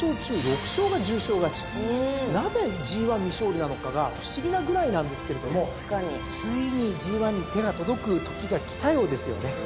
なぜＧⅠ未勝利なのかが不思議なぐらいなんですけれどついにＧⅠに手が届くときが来たようですよね。